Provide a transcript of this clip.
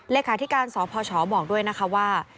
เลขาธิการสพชบอกด้วยนะคะว่า